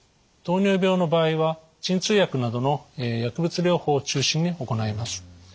糖尿病の場合は鎮痛薬などの薬物療法を中心に行います。